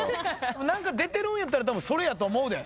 何か出てるんやったらそれやと思うで。